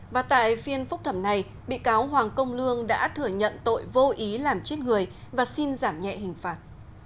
và tại phiên phúc thẩm này bị cáo hoàng công lương đã thừa nhận tội vô ý làm chết người và xin giảm nhẹ hình phạt